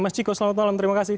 mas ciko selamat malam terima kasih